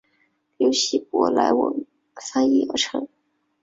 由希伯来文翻译而成。